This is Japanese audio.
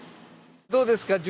どうですか？